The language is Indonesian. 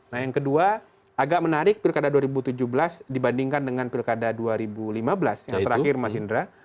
nah yang kedua agak menarik pilkada dua ribu tujuh belas dibandingkan dengan pilkada dua ribu lima belas yang terakhir mas indra